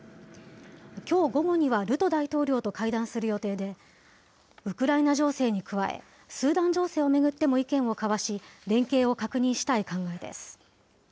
きょう午後にはルト大統領と会談する予定で、ウクライナ情勢に加え、スーダン情勢を巡っても意見を交わし、連携を確認したい考えです。